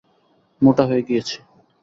মোটা হয়ে গিয়েছি।